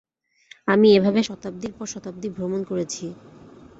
আমি এভাবে শতাব্দীর পর শতাব্দী ভ্রমণ করেছি।